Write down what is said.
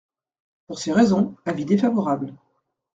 Pour ces raisons, avis défavorable.